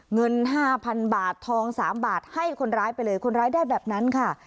เงิน๕๐๐๐บาททอง๓บาทให้คนร้ายไปเลยคนร้ายได้แบบนั้นค่ะ